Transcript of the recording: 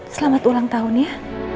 selamat ulang tahun ya